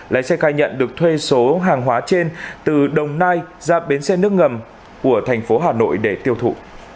lái xe khai nhận được thuê số hàng hóa trên từ đồng nai ra bến xe nước ngầm của thành phố hà nội để tiêu thụ